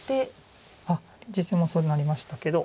実戦もそうなりましたけど。